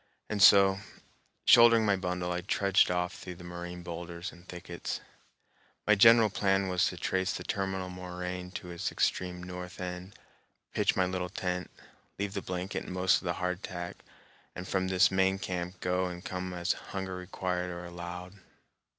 And so, shouldering my bundle, I trudged off through the moraine boulders and thickets. My general plan was to trace the terminal moraine to its extreme north end, pitch my little tent, leave the blanket and most of the hardtack, and from this main camp go and come as hunger required or allowed.